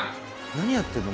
何やってんの？